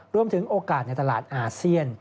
ร่วมถึงโอกาสในตลาดอาเซียน